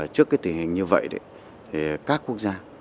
trước cái tình hình như vậy các quốc gia